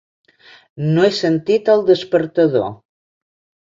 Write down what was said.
No he sentit el despertador.